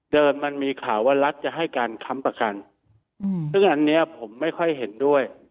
มันมีข่าวว่ารัฐจะให้การค้ำประกันซึ่งอันนี้ผมไม่ค่อยเห็นด้วย